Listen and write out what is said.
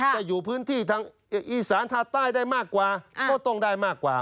จะอยู่พื้นที่ทางอีสานทาใต้ได้มากกว่าก็ต้องได้มากกว่า